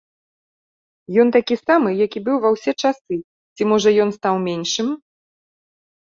Ён такі самы, як і быў ва ўсе часы, ці, можа, ён стаў меншым?